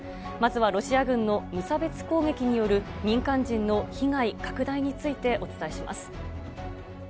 まずはロシア軍の無差別攻撃による民間人の被害拡大についてお伝えします。